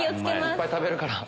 いっぱい食べるから。